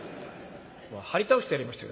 はり倒してやりましたよ